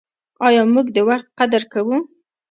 آیا موږ د وخت قدر کوو؟